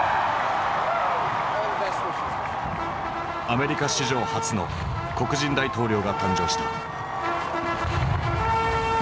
アメリカ史上初の黒人大統領が誕生した。